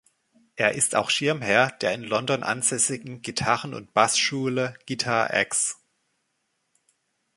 Er ist auch Schirmherr der in London ansässigen Gitarren- und Bassschule Guitar-X.